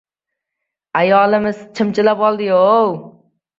Ayolimiz chimchilab oldi-yov!